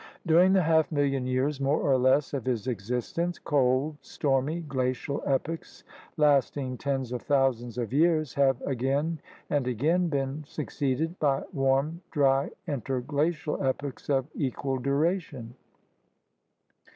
During the half million years more or less of his existence, cold, stormy, glacial epochs lasting tens of thousands of years have again and again been succeeded by warm, dry, interglacial epochs of equal duration.